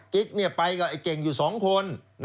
กิ๊กไปกับไอ้เก่งอยู่๒คน